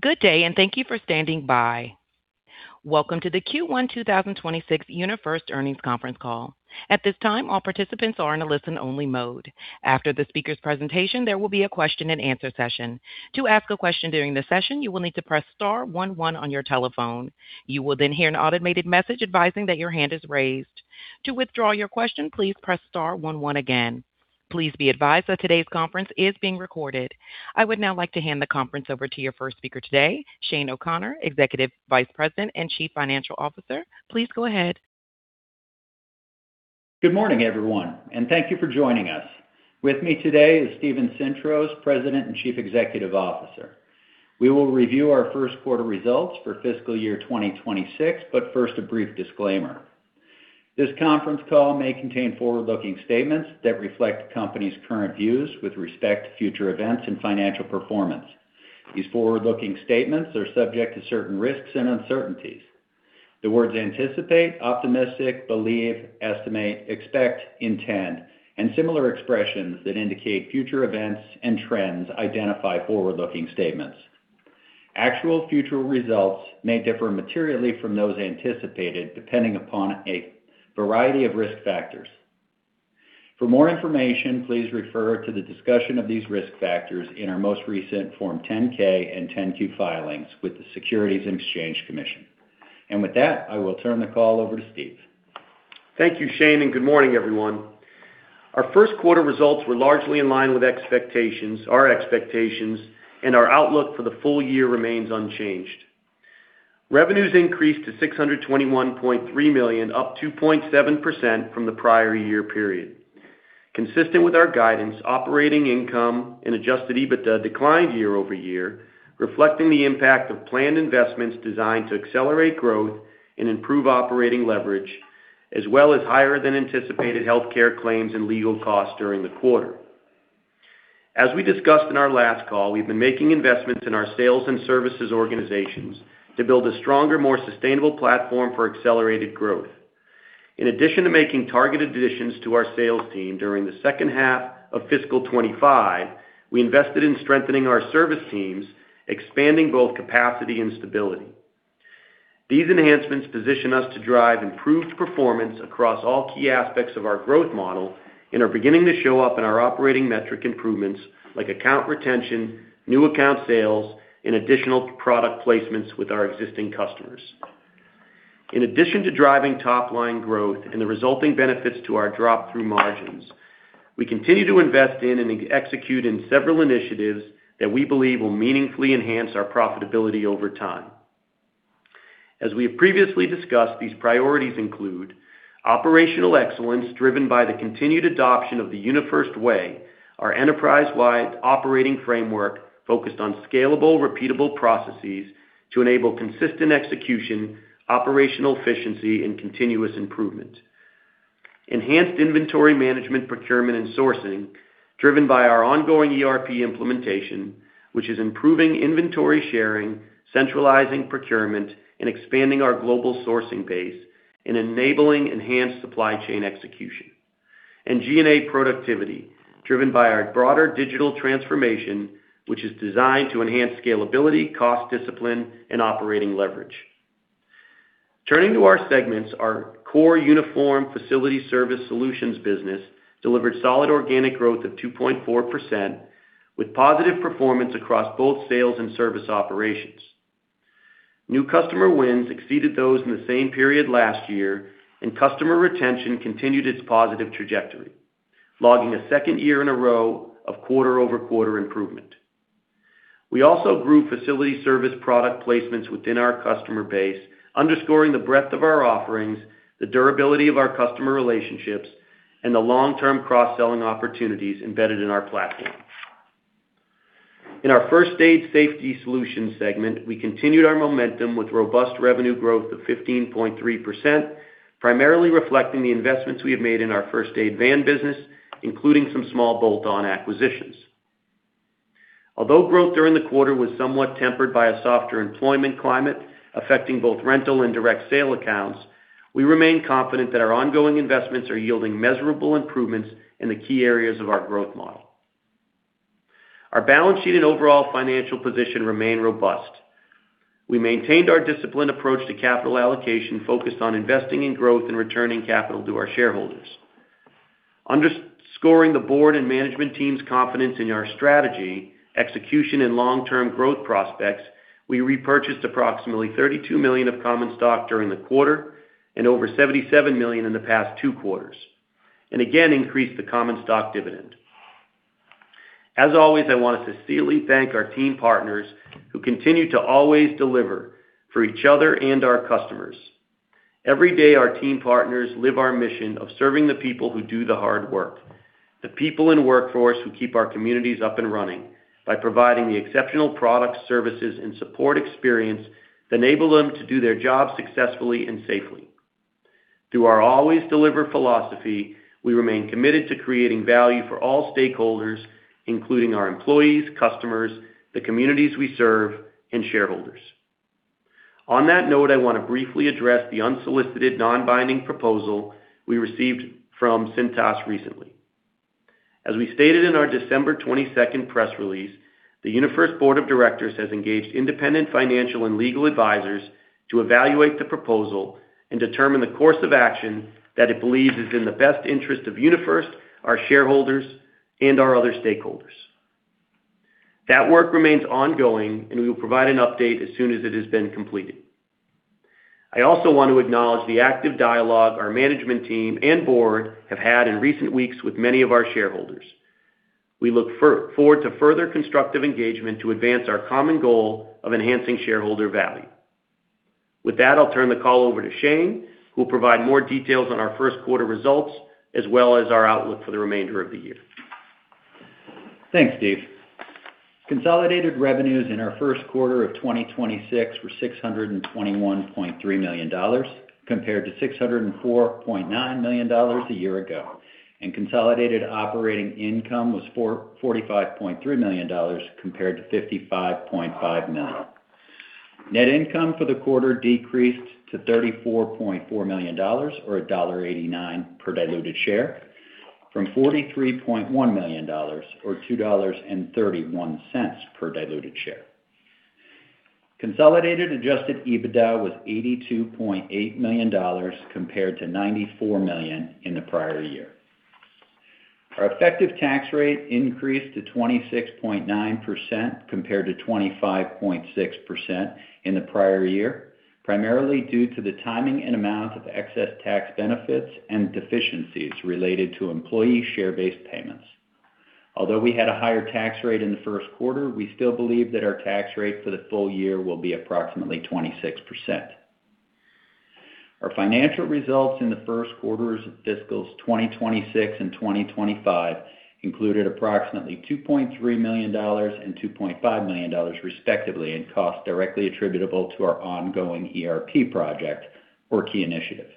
Good day, and thank you for standing by. Welcome to the Q1 2026 UniFirst Earnings Conference Call. At this time, all participants are in a listen-only mode. After the speaker's presentation, there will be a question-and-answer session. To ask a question during the session, you will need to press star 11 on your telephone. You will then hear an automated message advising that your hand is raised. To withdraw your question, please press star 11 again. Please be advised that today's conference is being recorded. I would now like to hand the conference over to your first speaker today, Shane O'Connor, Executive Vice President and Chief Financial Officer. Please go ahead. Good morning, everyone, and thank you for joining us. With me today is Steven Sintros, President and Chief Executive Officer. We will review our first quarter results for fiscal year 2026, but first, a brief disclaimer. This conference call may contain forward-looking statements that reflect the company's current views with respect to future events and financial performance. These forward-looking statements are subject to certain risks and uncertainties. The words anticipate, optimistic, believe, estimate, expect, intend, and similar expressions that indicate future events and trends identify forward-looking statements. Actual future results may differ materially from those anticipated depending upon a variety of risk factors. For more information, please refer to the discussion of these risk factors in our most recent Form 10-K and 10-Q filings with the Securities and Exchange Commission, and with that, I will turn the call over to Steve. Thank you, Shane, and good morning, everyone. Our first quarter results were largely in line with expectations, our expectations, and our outlook for the full year remains unchanged. Revenues increased to $621.3 million, up 2.7% from the prior year period. Consistent with our guidance, operating income and Adjusted EBITDA declined year over year, reflecting the impact of planned investments designed to accelerate growth and improve operating leverage, as well as higher-than-anticipated healthcare claims and legal costs during the quarter. As we discussed in our last call, we've been making investments in our sales and services organizations to build a stronger, more sustainable platform for accelerated growth. In addition to making targeted additions to our sales team during the second half of fiscal 2025, we invested in strengthening our service teams, expanding both capacity and stability. These enhancements position us to drive improved performance across all key aspects of our growth model and are beginning to show up in our operating metric improvements like account retention, new account sales, and additional product placements with our existing customers. In addition to driving top-line growth and the resulting benefits to our drop-through margins, we continue to invest in and execute in several initiatives that we believe will meaningfully enhance our profitability over time. As we have previously discussed, these priorities include operational excellence driven by the continued adoption of the UniFirst Way, our enterprise-wide operating framework focused on scalable, repeatable processes to enable consistent execution, operational efficiency, and continuous improvement. Enhanced inventory management, procurement, and sourcing driven by our ongoing ERP implementation, which is improving inventory sharing, centralizing procurement, and expanding our global sourcing base, and enabling enhanced supply chain execution. G&A productivity driven by our broader digital transformation, which is designed to enhance scalability, cost discipline, and operating leverage. Turning to our segments, our core Uniform and Facility Service Solutions business delivered solid organic growth of 2.4% with positive performance across both sales and service operations. New customer wins exceeded those in the same period last year, and customer retention continued its positive trajectory, logging a second year in a row of quarter-over-quarter improvement. We also grew facility service product placements within our customer base, underscoring the breadth of our offerings, the durability of our customer relationships, and the long-term cross-selling opportunities embedded in our platform. In our First Aid and Safety Solutions segment, we continued our momentum with robust revenue growth of 15.3%, primarily reflecting the investments we have made in our First Aid van business, including some small bolt-on acquisitions. Although growth during the quarter was somewhat tempered by a softer employment climate affecting both rental and direct sale accounts, we remain confident that our ongoing investments are yielding measurable improvements in the key areas of our growth model. Our balance sheet and overall financial position remain robust. We maintained our disciplined approach to capital allocation focused on investing in growth and returning capital to our shareholders. Underscoring the board and management team's confidence in our strategy, execution, and long-term growth prospects, we repurchased approximately $32 million of common stock during the quarter and over $77 million in the past two quarters, and again increased the common stock dividend. As always, I want to sincerely thank our Team Partners who continue to always deliver for each other and our customers. Every day, our Team Partners live our mission of serving the people who do the hard work, the people in the workforce who keep our communities up and running by providing the exceptional products, services, and support experience that enable them to do their jobs successfully and safely. Through our Always Deliver philosophy, we remain committed to creating value for all stakeholders, including our employees, customers, the communities we serve, and shareholders. On that note, I want to briefly address the unsolicited non-binding proposal we received from Cintas recently. As we stated in our December 22nd press release, the UniFirst Board of Directors has engaged independent financial and legal advisors to evaluate the proposal and determine the course of action that it believes is in the best interest of UniFirst, our shareholders, and our other stakeholders. That work remains ongoing, and we will provide an update as soon as it has been completed. I also want to acknowledge the active dialogue our management team and board have had in recent weeks with many of our shareholders. We look forward to further constructive engagement to advance our common goal of enhancing shareholder value. With that, I'll turn the call over to Shane, who will provide more details on our first quarter results as well as our outlook for the remainder of the year. Thanks, Steve. Consolidated revenues in our first quarter of 2026 were $621.3 million compared to $604.9 million a year ago, and consolidated operating income was $45.3 million compared to $55.5 million. Net income for the quarter decreased to $34.4 million, or $1.89 per diluted share, from $43.1 million, or $2.31 per diluted share. Consolidated Adjusted EBITDA was $82.8 million compared to $94 million in the prior year. Our effective tax rate increased to 26.9% compared to 25.6% in the prior year, primarily due to the timing and amount of excess tax benefits and deficiencies related to employee share-based payments. Although we had a higher tax rate in the first quarter, we still believe that our tax rate for the full year will be approximately 26%. Our financial results in the first quarters of fiscal 2026 and 2025 included approximately $2.3 million and $2.5 million, respectively, in costs directly attributable to our ongoing ERP project or key initiative.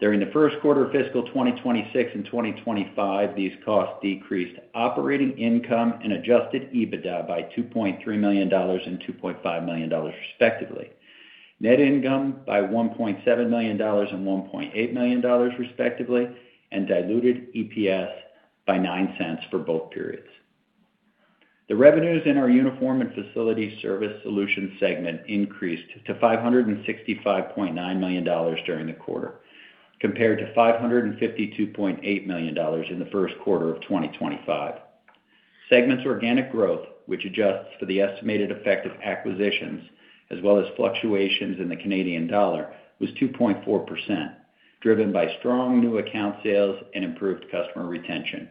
During the first quarter of fiscal 2026 and 2025, these costs decreased operating income and adjusted EBITDA by $2.3 million and $2.5 million, respectively, net income by $1.7 million and $1.8 million, respectively, and diluted EPS by $0.09 for both periods. The revenues in our uniform and facility service solutions segment increased to $565.9 million during the quarter, compared to $552.8 million in the first quarter of 2025. The segment's organic growth, which adjusts for the estimated effects of acquisitions as well as fluctuations in the Canadian dollar, was 2.4%, driven by strong new account sales and improved customer retention.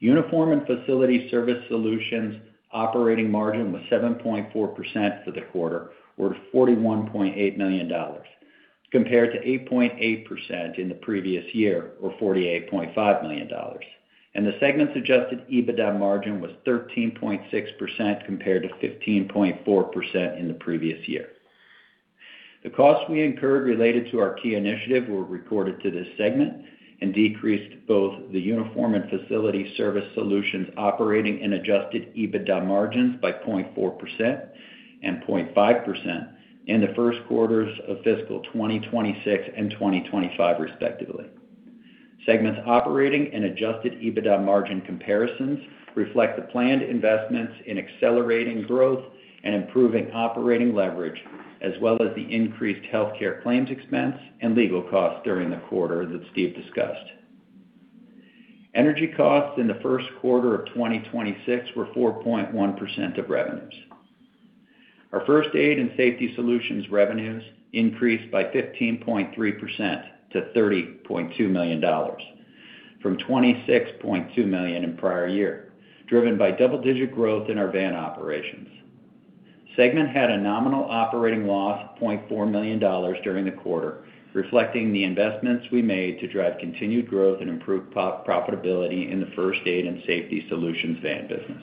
Uniform and Facility Service Solutions' operating margin was 7.4% for the quarter, worth $41.8 million, compared to 8.8% in the previous year, or $48.5 million. And the segment's Adjusted EBITDA margin was 13.6% compared to 15.4% in the previous year. The costs we incurred related to our key initiative were recorded to this segment and decreased both the Uniform and Facility Service Solutions' operating and Adjusted EBITDA margins by 0.4% and 0.5% in the first quarters of fiscal 2026 and 2025, respectively. Segment's operating and Adjusted EBITDA margin comparisons reflect the planned investments in accelerating growth and improving operating leverage, as well as the increased healthcare claims expense and legal costs during the quarter that Steve discussed. Energy costs in the first quarter of 2026 were 4.1% of revenues. Our First Aid and Safety Solutions revenues increased by 15.3% to $30.2 million, from $26.2 million in the prior year, driven by double-digit growth in our van operations. Segment had a nominal operating loss of $0.4 million during the quarter, reflecting the investments we made to drive continued growth and improved profitability in the First Aid and Safety Solutions van business.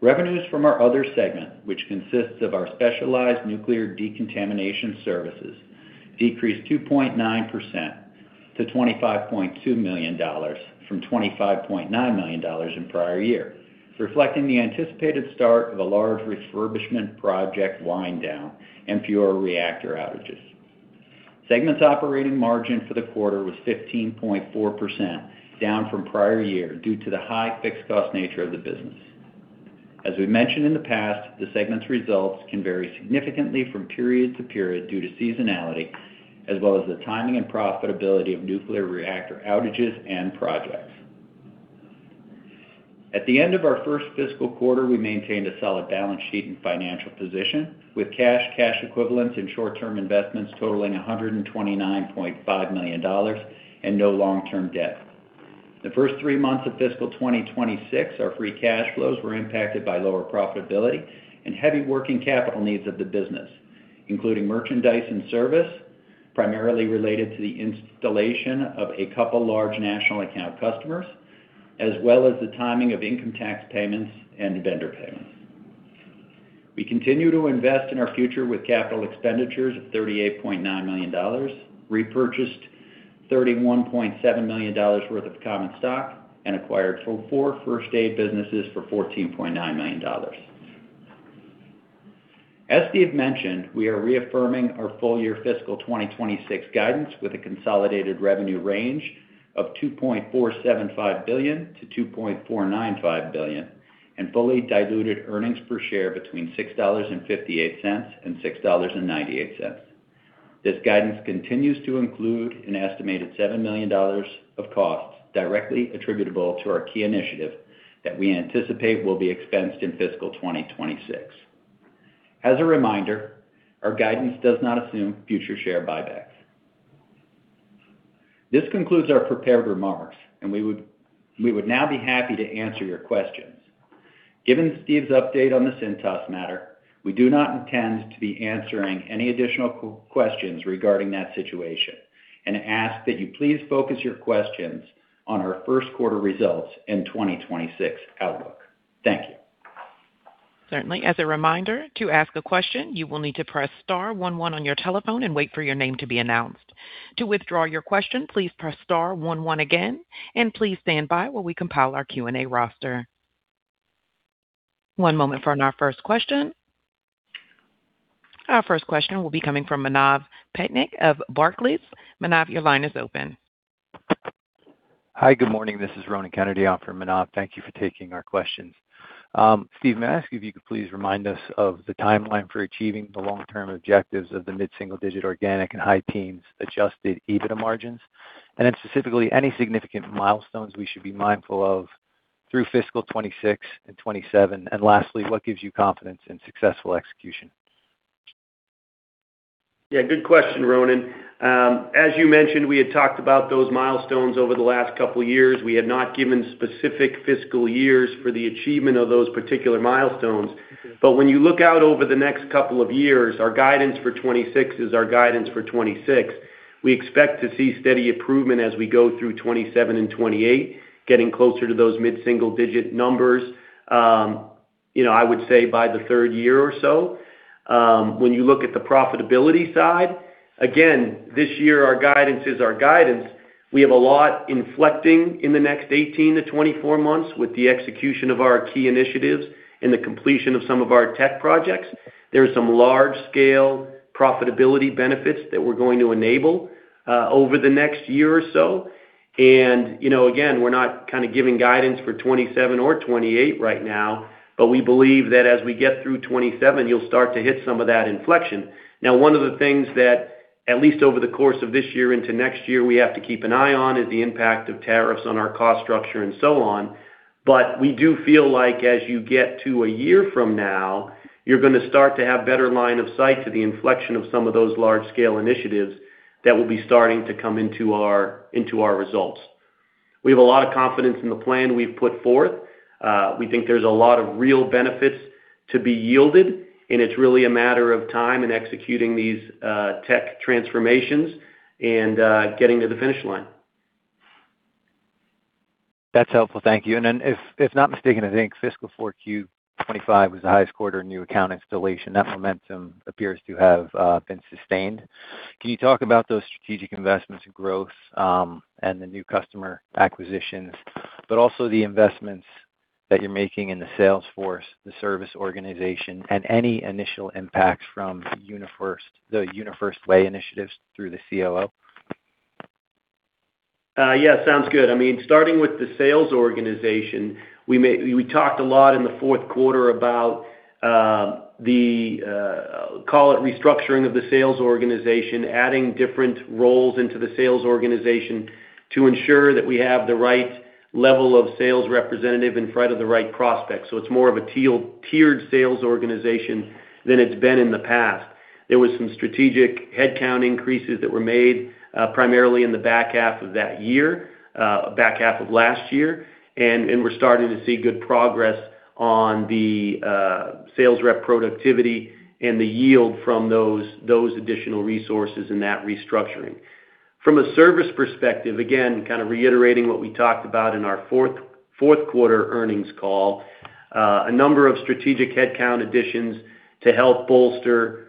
Revenues from our other segment, which consists of our specialized nuclear decontamination services, decreased 2.9% to $25.2 million, from $25.9 million in the prior year, reflecting the anticipated start of a large refurbishment project wind-down and fewer reactor outages. Segment's operating margin for the quarter was 15.4%, down from prior year due to the high fixed-cost nature of the business. As we mentioned in the past, the segment's results can vary significantly from period to period due to seasonality, as well as the timing and profitability of nuclear reactor outages and projects. At the end of our first fiscal quarter, we maintained a solid balance sheet and financial position, with cash and cash equivalents and short-term investments totaling $129.5 million and no long-term debt. The first three months of fiscal 2026, our free cash flows were impacted by lower profitability and heavy working capital needs of the business, including merchandise in service, primarily related to the installation of a couple of large national account customers, as well as the timing of income tax payments and vendor payments. We continue to invest in our future with capital expenditures of $38.9 million, repurchased $31.7 million worth of common stock, and acquired four first-aid businesses for $14.9 million. As Steve mentioned, we are reaffirming our full-year fiscal 2026 guidance with a consolidated revenue range of $2.475 billion-$2.495 billion and fully diluted earnings per share between $6.58 and $6.98. This guidance continues to include an estimated $7 million of costs directly attributable to our key initiative that we anticipate will be expensed in fiscal 2026. As a reminder, our guidance does not assume future share buybacks. This concludes our prepared remarks, and we would now be happy to answer your questions. Given Steve's update on the Cintas matter, we do not intend to be answering any additional questions regarding that situation and ask that you please focus your questions on our first quarter results and 2026 outlook. Thank you. Certainly. As a reminder, to ask a question, you will need to press star 11 on your telephone and wait for your name to be announced. To withdraw your question, please press star 11 again, and please stand by while we compile our Q&A roster. One moment for our first question. Our first question will be coming from Manav Patnaik of Barclays. Manav, your line is open. Hi, good morning. This is Ronan Kennedy from Manav. Thank you for taking our questions. Steve, may I ask if you could please remind us of the timeline for achieving the long-term objectives of the mid-single-digit organic and high-teens adjusted EBITDA margins, and then specifically any significant milestones we should be mindful of through fiscal 2026 and 2027, and lastly, what gives you confidence in successful execution? Yeah, good question, Ronan. As you mentioned, we had talked about those milestones over the last couple of years. We had not given specific fiscal years for the achievement of those particular milestones. But when you look out over the next couple of years, our guidance for 2026 is our guidance for 2026. We expect to see steady improvement as we go through 2027 and 2028, getting closer to those mid-single-digit numbers, I would say, by the third year or so. When you look at the profitability side, again, this year, our guidance is our guidance. We have a lot inflecting in the next 18-24 months with the execution of our key initiatives and the completion of some of our tech projects. There are some large-scale profitability benefits that we're going to enable over the next year or so. And again, we're not kind of giving guidance for 2027 or 2028 right now, but we believe that as we get through 2027, you'll start to hit some of that inflection. Now, one of the things that, at least over the course of this year into next year, we have to keep an eye on is the impact of tariffs on our cost structure and so on. But we do feel like as you get to a year from now, you're going to start to have better line of sight to the inflection of some of those large-scale initiatives that will be starting to come into our results. We have a lot of confidence in the plan we've put forth. We think there's a lot of real benefits to be yielded, and it's really a matter of time in executing these tech transformations and getting to the finish line. That's helpful. Thank you. And then, if not mistaken, I think fiscal 4Q 2025 was the highest quarter in new account installation. That momentum appears to have been sustained. Can you talk about those strategic investments and growth and the new customer acquisitions, but also the investments that you're making in the sales force, the service organization, and any initial impacts from the UniFirst Way initiatives through the COO? Yeah, sounds good. I mean, starting with the sales organization, we talked a lot in the fourth quarter about the, call it, restructuring of the sales organization, adding different roles into the sales organization to ensure that we have the right level of sales representative in front of the right prospects. So it's more of a tiered sales organization than it's been in the past. There were some strategic headcount increases that were made primarily in the back half of that year, back half of last year, and we're starting to see good progress on the sales rep productivity and the yield from those additional resources in that restructuring. From a service perspective, again, kind of reiterating what we talked about in our fourth quarter earnings call, a number of strategic headcount additions to help bolster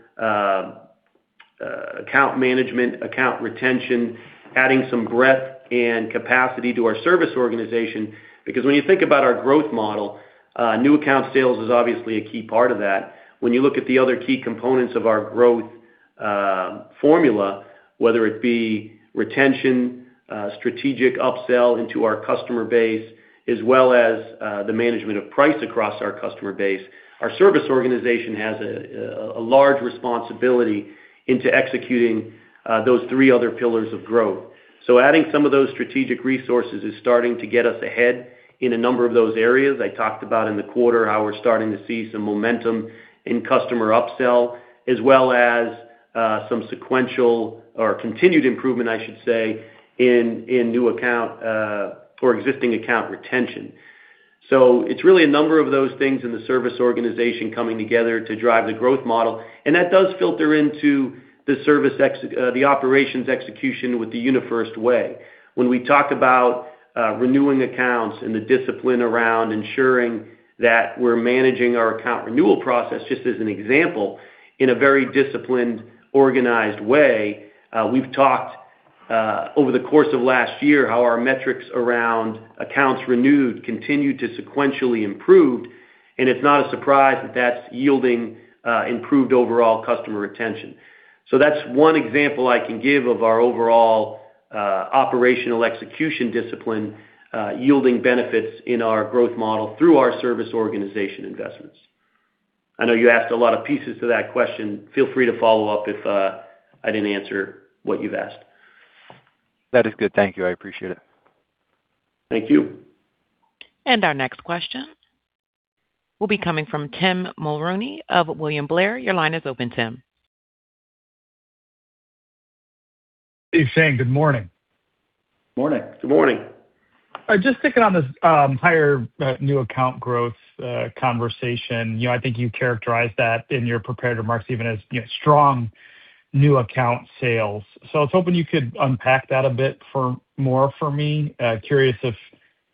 account management, account retention, adding some breadth and capacity to our service organization. Because when you think about our growth model, new account sales is obviously a key part of that. When you look at the other key components of our growth formula, whether it be retention, strategic upsell into our customer base, as well as the management of price across our customer base, our service organization has a large responsibility into executing those three other pillars of growth. So adding some of those strategic resources is starting to get us ahead in a number of those areas. I talked about in the quarter how we're starting to see some momentum in customer upsell, as well as some sequential or continued improvement, I should say, in new account or existing account retention. So it's really a number of those things in the service organization coming together to drive the growth model. And that does filter into the operations execution with the UniFirst Way. When we talk about renewing accounts and the discipline around ensuring that we're managing our account renewal process, just as an example, in a very disciplined, organized way, we've talked over the course of last year how our metrics around accounts renewed continued to sequentially improve, and it's not a surprise that that's yielding improved overall customer retention, so that's one example I can give of our overall operational execution discipline yielding benefits in our growth model through our service organization investments. I know you asked a lot of pieces to that question. Feel free to follow up if I didn't answer what you've asked. That is good. Thank you. I appreciate it. Thank you. Our next question will be coming from Tim Mulrooney of William Blair. Your line is open, Tim. Hey, Shane. Good morning. Morning. Good morning. Just sticking on this entire new account growth conversation, I think you characterized that in your prepared remarks even as strong new account sales. So I was hoping you could unpack that a bit more for me. Curious if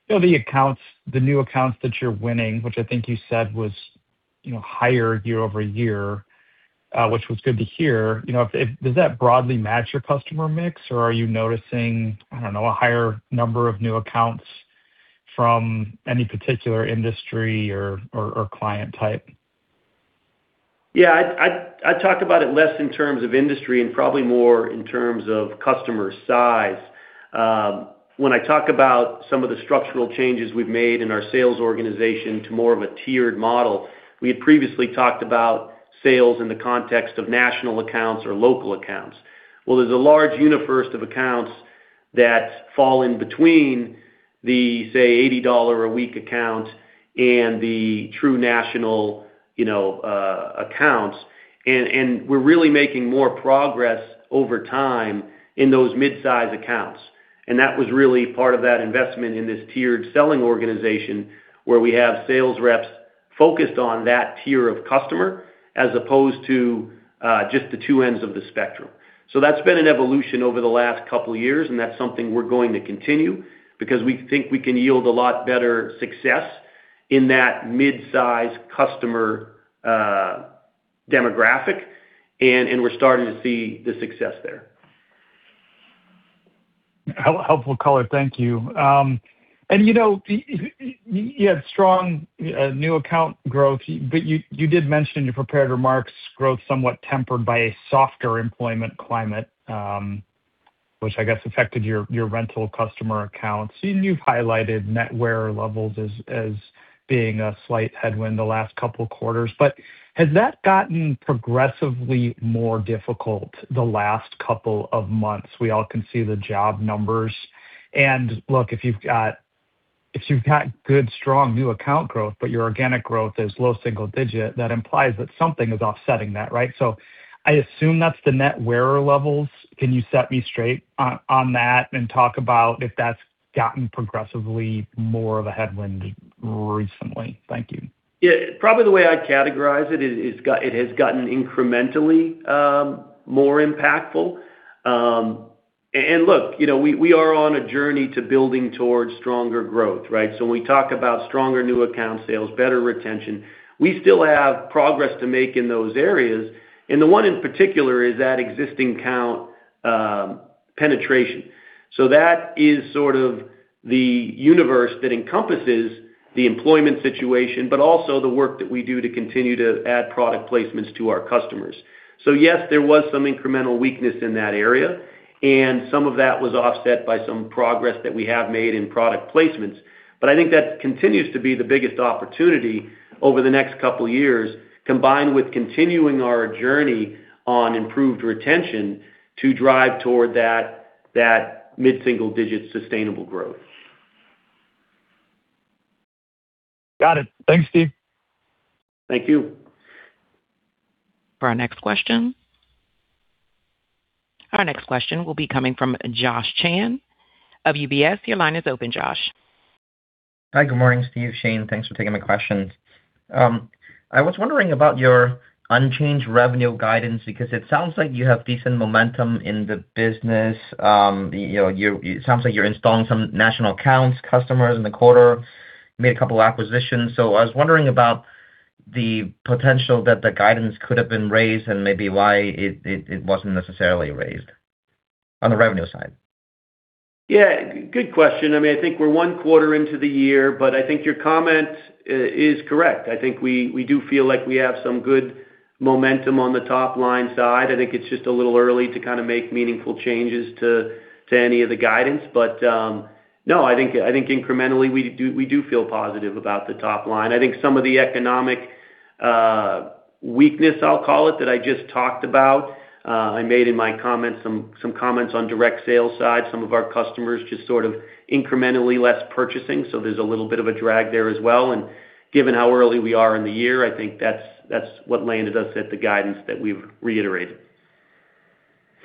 the new accounts that you're winning, which I think you said was higher year over year, which was good to hear, does that broadly match your customer mix, or are you noticing, I don't know, a higher number of new accounts from any particular industry or client type? Yeah, I talk about it less in terms of industry and probably more in terms of customer size. When I talk about some of the structural changes we've made in our sales organization to more of a tiered model, we had previously talked about sales in the context of national accounts or local accounts. Well, there's a large universe of accounts that fall in between the, say, $80 a week account and the true national accounts, and we're really making more progress over time in those mid-size accounts. And that was really part of that investment in this tiered selling organization where we have sales reps focused on that tier of customer as opposed to just the two ends of the spectrum. So that's been an evolution over the last couple of years, and that's something we're going to continue because we think we can yield a lot better success in that mid-size customer demographic, and we're starting to see the success there. Helpful color. Thank you. And you had strong new account growth, but you did mention in your prepared remarks growth somewhat tempered by a softer employment climate, which I guess affected your rental customer accounts. You've highlighted net wear levels as being a slight headwind the last couple of quarters. But has that gotten progressively more difficult the last couple of months? We all can see the job numbers. And look, if you've got good, strong new account growth, but your organic growth is low single-digit, that implies that something is offsetting that, right? So I assume that's the net wear levels. Can you set me straight on that and talk about if that's gotten progressively more of a headwind recently? Thank you. Yeah, probably the way I'd categorize it, it has gotten incrementally more impactful. And look, we are on a journey to building towards stronger growth, right? So when we talk about stronger new account sales, better retention, we still have progress to make in those areas. And the one in particular is that existing account penetration. So that is sort of the universe that encompasses the employment situation, but also the work that we do to continue to add product placements to our customers. So yes, there was some incremental weakness in that area, and some of that was offset by some progress that we have made in product placements. But I think that continues to be the biggest opportunity over the next couple of years, combined with continuing our journey on improved retention to drive toward that mid-single digit sustainable growth. Got it. Thanks, Steve. Thank you. For our next question. Our next question will be coming from Josh Chan of UBS. Your line is open, Josh. Hi, good morning, Steve, Shane. Thanks for taking my questions. I was wondering about your unchanged revenue guidance because it sounds like you have decent momentum in the business. It sounds like you're installing some national accounts, customers in the quarter, made a couple of acquisitions. So I was wondering about the potential that the guidance could have been raised and maybe why it wasn't necessarily raised on the revenue side. Yeah, good question. I mean, I think we're one quarter into the year, but I think your comment is correct. I think we do feel like we have some good momentum on the top line side. I think it's just a little early to kind of make meaningful changes to any of the guidance. But no, I think incrementally we do feel positive about the top line. I think some of the economic weakness, I'll call it, that I just talked about, I made in my comments some comments on direct sales side, some of our customers just sort of incrementally less purchasing. So there's a little bit of a drag there as well. And given how early we are in the year, I think that's what landed us at the guidance that we've reiterated.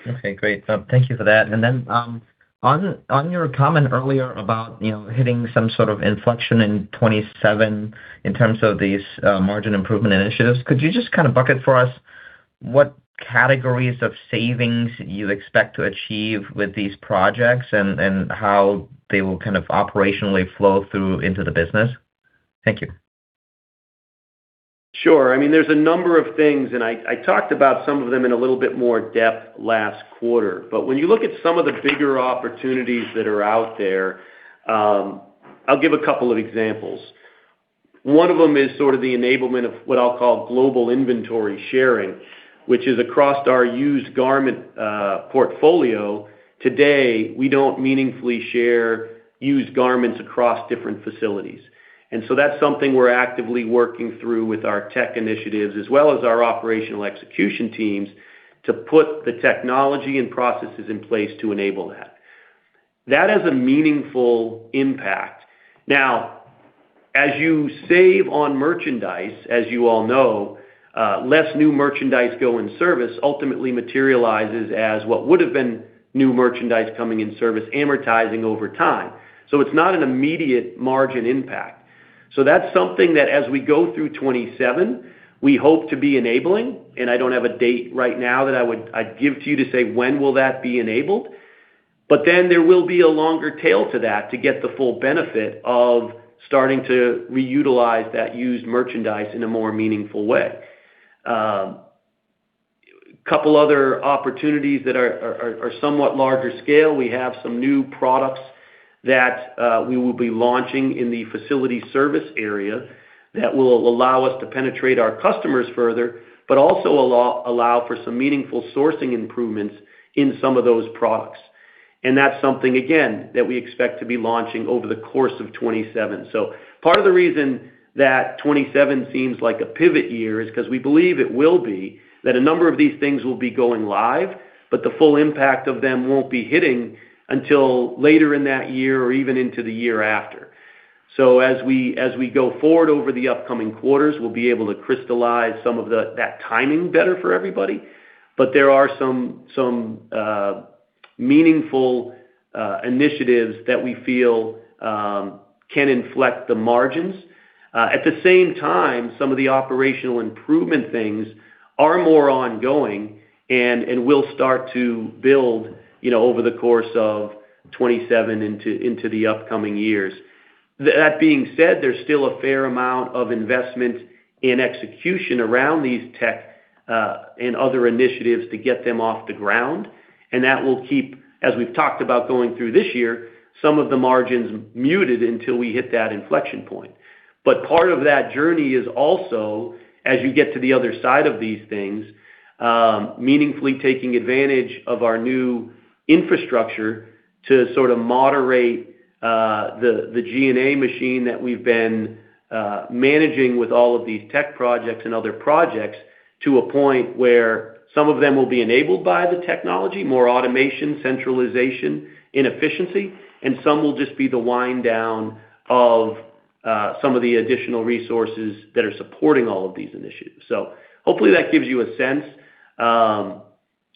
Okay, great. Thank you for that. And then on your comment earlier about hitting some sort of inflection in 2027 in terms of these margin improvement initiatives, could you just kind of bucket for us what categories of savings you expect to achieve with these projects and how they will kind of operationally flow through into the business? Thank you. Sure. I mean, there's a number of things, and I talked about some of them in a little bit more depth last quarter. But when you look at some of the bigger opportunities that are out there, I'll give a couple of examples. One of them is sort of the enablement of what I'll call global inventory sharing, which is across our used garment portfolio. Today, we don't meaningfully share used garments across different facilities. And so that's something we're actively working through with our tech initiatives as well as our operational execution teams to put the technology and processes in place to enable that. That has a meaningful impact. Now, as you save on merchandise, as you all know, less new merchandise going into service ultimately materializes as what would have been new merchandise coming into service, amortizing over time. So it's not an immediate margin impact. That's something that as we go through 2027, we hope to be enabling. I don't have a date right now that I'd give to you to say when will that be enabled. Then there will be a longer tail to that to get the full benefit of starting to reutilize that used merchandise in a more meaningful way. A couple of other opportunities that are somewhat larger scale. We have some new products that we will be launching in the facility service area that will allow us to penetrate our customers further, but also allow for some meaningful sourcing improvements in some of those products. That's something, again, that we expect to be launching over the course of 2027. So part of the reason that 2027 seems like a pivot year is because we believe it will be that a number of these things will be going live, but the full impact of them won't be hitting until later in that year or even into the year after. So as we go forward over the upcoming quarters, we'll be able to crystallize some of that timing better for everybody. But there are some meaningful initiatives that we feel can inflect the margins. At the same time, some of the operational improvement things are more ongoing and will start to build over the course of 2027 into the upcoming years. That being said, there's still a fair amount of investment in execution around these tech and other initiatives to get them off the ground. That will keep, as we've talked about going through this year, some of the margins muted until we hit that inflection point. Part of that journey is also, as you get to the other side of these things, meaningfully taking advantage of our new infrastructure to sort of moderate the G&A machine that we've been managing with all of these tech projects and other projects to a point where some of them will be enabled by the technology, more automation, centralization, efficiency, and some will just be the wind down of some of the additional resources that are supporting all of these initiatives. Hopefully that gives you a sense.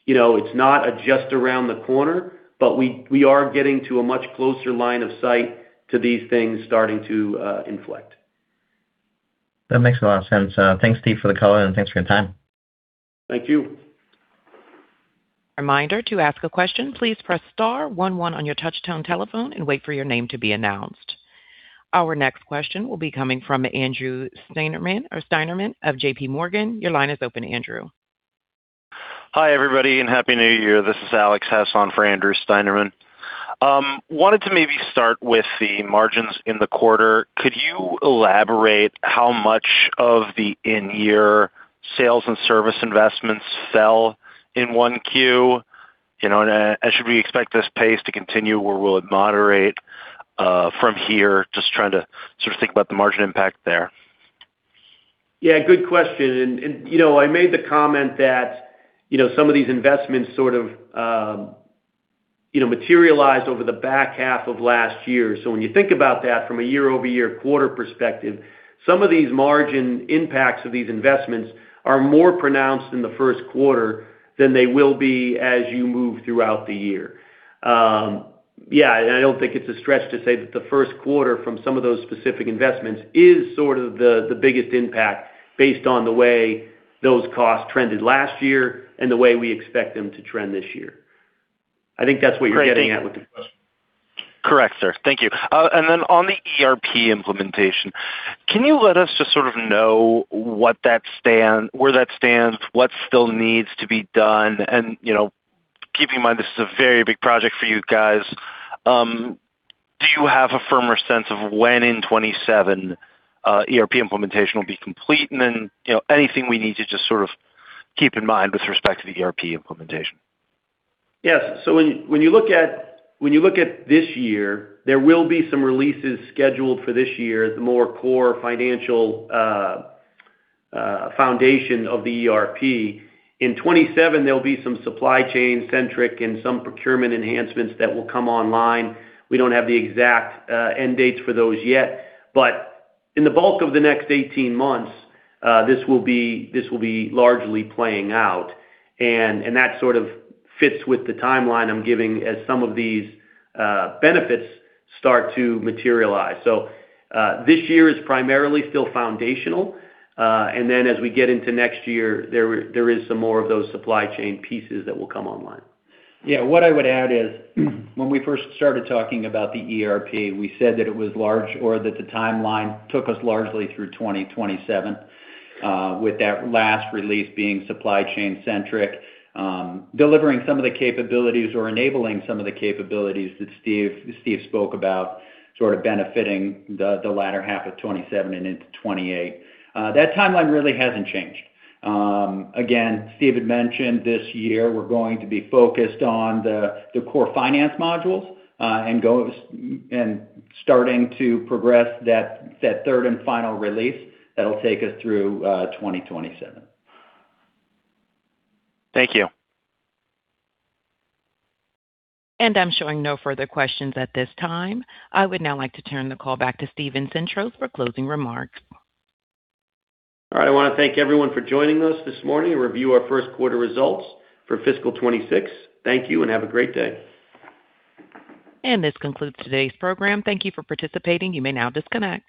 It's not just around the corner, but we are getting to a much closer line of sight to these things starting to inflect. That makes a lot of sense. Thanks, Steve, for the color, and thanks for your time. Thank you. Reminder to ask a question. Please press star 11 on your touch-tone telephone and wait for your name to be announced. Our next question will be coming from Andrew Steinerman of J.P. Morgan. Your line is open, Andrew. Hi, everybody, and happy New Year. This is Alex Hess for Andrew Steinerman. Wanted to maybe start with the margins in the quarter. Could you elaborate how much of the in-year sales and service investments fell in Q1? And should we expect this pace to continue or will it moderate from here? Just trying to sort of think about the margin impact there. Yeah, good question, and I made the comment that some of these investments sort of materialized over the back half of last year, so when you think about that from a year-over-year quarter perspective, some of these margin impacts of these investments are more pronounced in the first quarter than they will be as you move throughout the year. Yeah, and I don't think it's a stretch to say that the first quarter from some of those specific investments is sort of the biggest impact based on the way those costs trended last year and the way we expect them to trend this year. I think that's what you're getting at with the question. Correct, sir. Thank you. And then on the ERP implementation, can you let us just sort of know where that stands, what still needs to be done? And keep in mind this is a very big project for you guys. Do you have a firmer sense of when in 2027 ERP implementation will be complete? And then anything we need to just sort of keep in mind with respect to the ERP implementation? Yes. So when you look at this year, there will be some releases scheduled for this year, the more core financial foundation of the ERP. In 2027, there'll be some supply chain-centric and some procurement enhancements that will come online. We don't have the exact end dates for those yet. But in the bulk of the next 18 months, this will be largely playing out. And that sort of fits with the timeline I'm giving as some of these benefits start to materialize. So this year is primarily still foundational. And then as we get into next year, there is some more of those supply chain pieces that will come online. Yeah, what I would add is when we first started talking about the ERP, we said that it was large or that the timeline took us largely through 2027 with that last release being supply chain-centric, delivering some of the capabilities or enabling some of the capabilities that Steve spoke about, sort of benefiting the latter half of 2027 and into 2028. That timeline really hasn't changed. Again, Steve had mentioned this year we're going to be focused on the core finance modules and starting to progress that third and final release that'll take us through 2027. Thank you. I'm showing no further questions at this time. I would now like to turn the call back to Steven Sintros for closing remarks. All right. I want to thank everyone for joining us this morning and review our first quarter results for fiscal 2026. Thank you and have a great day. This concludes today's program. Thank you for participating. You may now disconnect.